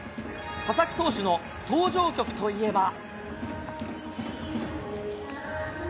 佐々木投手の登場曲といえば。